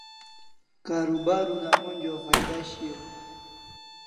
Karubar una onja o phaida shiau